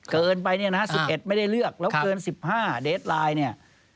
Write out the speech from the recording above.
เกินไปเนี่ยนะ๑๑ไม่ได้เลือกแล้วเกิน๑๕เดสไลน์เนี่ย